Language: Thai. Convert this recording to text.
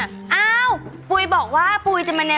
โอ้โจ้ปุ๊ยบอกว่าปุ๊ยจะมาในระนิท